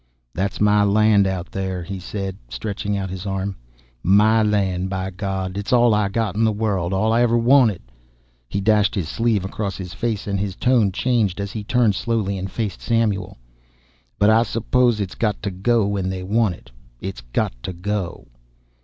"That's my land out there," he said, stretching out his arm, "my land, by God It's all I got in the world and ever wanted." He dashed his sleeve across his face, and his tone changed as he turned slowly and faced Samuel. "But I suppose it's got to go when they want it it's got to go."